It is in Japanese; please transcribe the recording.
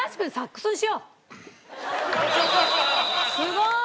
すごーい！